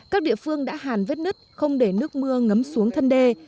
các địa phương đã hàn vết nứt không để nước mưa ngấm xuống thân đê